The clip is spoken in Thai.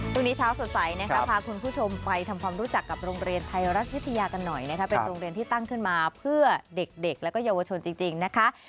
เช้าสดใสนะคะพาคุณผู้ชมไปทำความรู้จักกับโรงเรียนไทยรัฐวิทยากันหน่อยนะคะเป็นโรงเรียนที่ตั้งขึ้นมาเพื่อเด็กและเยาวชนจริงนะคะ